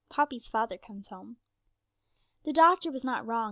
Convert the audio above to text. POPPY'S FATHER COMES HOME. The doctor was not wrong.